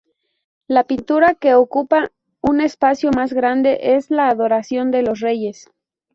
La pintura que ocupa un espacio más grande es la "Adoración de los Reyes".